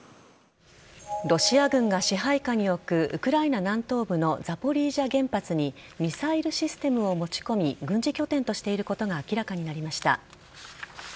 ロシア軍が支配下に置くウクライナ南東部のザポリージャ原発にミサイルシステムを持ち込み軍事拠点としていることが明らかになりました。